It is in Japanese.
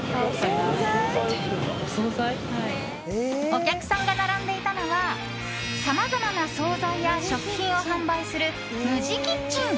お客さんが並んでいたのはさまざまな総菜や食品を販売するＭＵＪＩＫｉｔｃｈｅｎ。